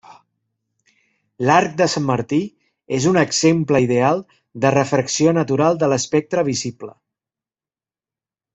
L'arc de Sant Martí és un exemple ideal de refracció natural de l'espectre visible.